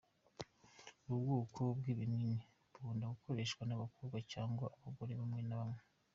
Ubu bwoko bw’ibinini bukunda gukoreshwa n’abakobwa cyangwa abagore bamwe na bamwe.